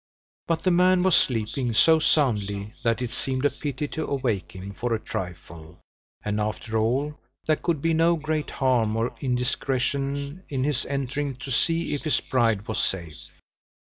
But the man was sleeping so soundly that it seemed a pity to awake him for a trifle; and, after all, there could be no great harm or indiscretion in his entering to see if his bride was safe.